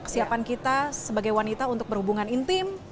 kesiapan kita sebagai wanita untuk berhubungan intim